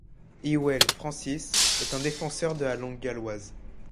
Hywel Francis est un défenseur de la langue galloise.